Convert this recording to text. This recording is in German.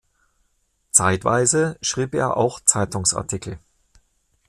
Zeitweise schrieb er auch Zeitungsartikel.